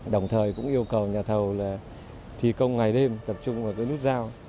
đồng thời cũng yêu cầu nhà thầu là thi công ngày đêm tập trung vào cái nút giao